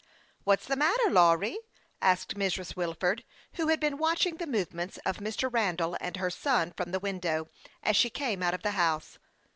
"What's the matter, Lawry?" asked Mrs. Wil ford, who had been watching the movements of Mr. Randall and her son from the window, as she came out .of the house.